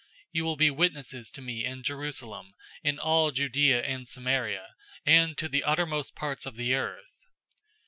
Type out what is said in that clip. You will be witnesses to me in Jerusalem, in all Judea and Samaria, and to the uttermost parts of the earth."